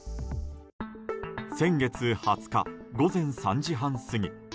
先月２０日、午前３時半過ぎ